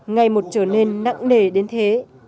ngày một trở nên nặng nề đến thế